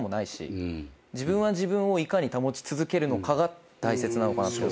自分をいかに保ち続けるのかが大切なのかなって。